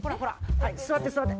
はい座って座って。